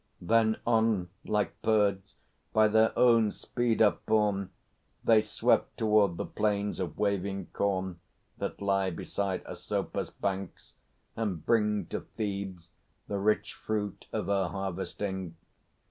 Then on like birds, by their own speed upborne, They swept toward the plains of waving corn That lie beside Asopus' banks, and bring To Thebes the rich fruit of her harvesting.